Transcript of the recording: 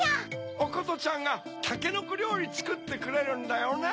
おことちゃんがたけのこりょうりつくってくれるんだよね。